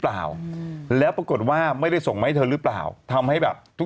เปล่าอืมแล้วปรากฏว่าไม่ได้ส่งมาให้เธอหรือเปล่าทำให้แบบทุก